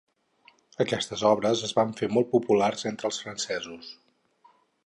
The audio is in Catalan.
Aquestes obres es van fer molt populars entre els francesos.